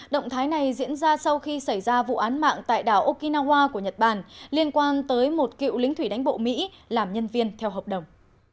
động thái này diễn ra sau khi xảy ra vụ án mạng tại đảo okinawa của nhật bản liên quan tới một cựu lính thủy đánh bộ mỹ làm nhân viên theo hợp đồng